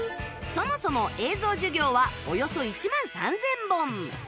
そもそも映像授業はおよそ１万３０００本